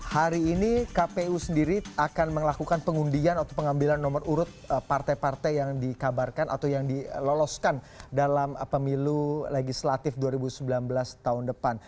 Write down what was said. hari ini kpu sendiri akan melakukan pengundian atau pengambilan nomor urut partai partai yang dikabarkan atau yang diloloskan dalam pemilu legislatif dua ribu sembilan belas tahun depan